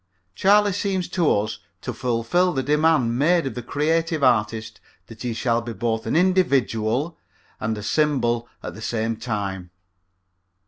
Charlie seems to us to fulfil the demand made of the creative artist that he shall be both an individual and a symbol at the same time.